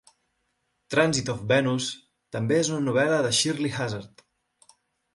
"Transit of Venus" també és una novel·la de Shirley Hazzard.